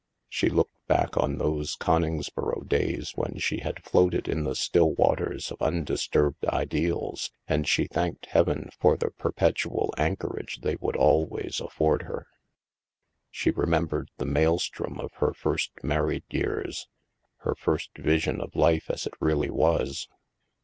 She looked back on those Coningsboro days when she had floated in the still waters of undisturbed ideals, and she thanked Heaven for the perpetual anchorage they would always afford her. She remembered the maelstrom of her first mar ried years, her first vision of life as it really was.